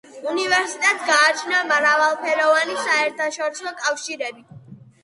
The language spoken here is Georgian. უნივერსიტეტს გააჩნია მრავალფეროვანია საერთაშორისო კავშირები.